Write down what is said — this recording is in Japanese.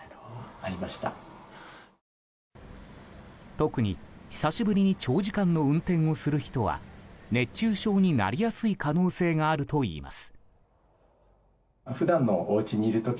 特に久しぶりに長時間の運転をする人は熱中症になりやすい可能性があるといいます。